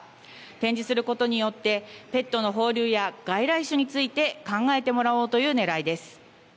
展示することによってペットの放流や外来種について考えてもらおうというねらいです。